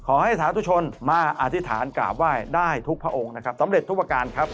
สาธุชนมาอธิษฐานกราบไหว้ได้ทุกพระองค์นะครับสำเร็จทุกประการครับ